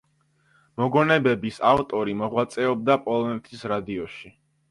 მოგონებების ავტორი მოღვაწეობდა პოლონეთის რადიოში.